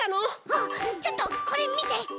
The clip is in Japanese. あっちょっとこれみて！